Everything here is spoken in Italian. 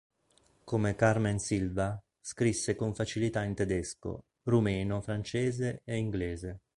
Come "Carmen Sylva", scrisse con facilità in tedesco, rumeno, francese e inglese.